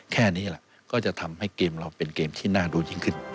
แค่นี้แหละก็จะทำให้เกมเราเป็นเกมที่น่าดูยิ่งขึ้น